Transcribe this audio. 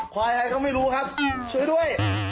ควายใครก็ไม่รู้ครับช่วยด้วย